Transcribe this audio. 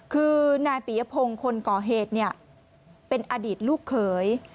คือนายปียพงศ์คนก่อเหตุเนี่ยเป็นอดีตลูกเขย